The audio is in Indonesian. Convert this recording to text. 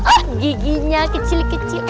ah giginya kecil kecil